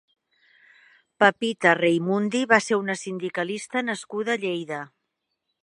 Pepita Reimundi va ser una sindicalista nascuda a Lleida.